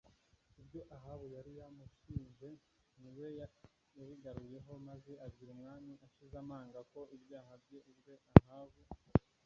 ibyo Ahabu yari yamushinje ni we yabigaruyeho maze abwira umwami ashize amanga ko ibyaha bye ubwe Ahabu